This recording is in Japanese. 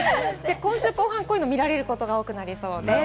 今週後半こういうの見られることが多くなりそうです。